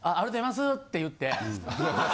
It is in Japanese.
って言って。